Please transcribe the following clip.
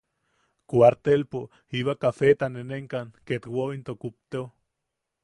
Kuartelpo jiba kafeta nenenkan ketwo into kupteo.